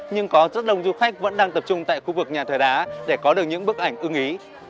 nhưng có rất đông du khách vẫn đang tập trung tại khu vực nhà thờ đá để có được những bức ảnh ưng ý